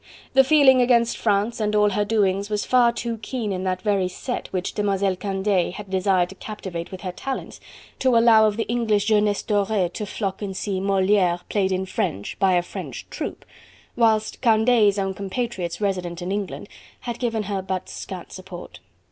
The feeling against France and all her doings was far too keen in that very set, which Demoiselle Candeille had desired to captivate with her talents, to allow of the English jeunesse doree to flock and see Moliere played in French, by a French troupe, whilst Candeille's own compatriots resident in England had given her but scant support.